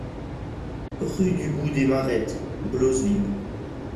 Rue du Bout des Marettes, Blosseville